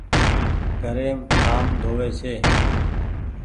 گهريم ٺآم ڌووي ڇي ۔